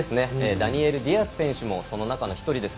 ダニエル・ディアス選手もその中の一人です。